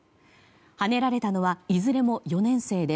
はねられたのはいずれも４年生で